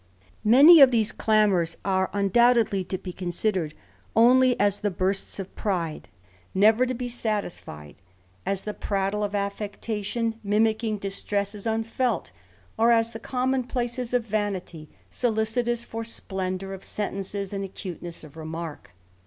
Many of these clamours are undoubtedly to be considered only as the bursts of pride never to be satisfied, as the prattle of affectation mimicking distresses unfelt, or as the common places of vanity solicitous for splendour of sen tences, and acuteness of remark.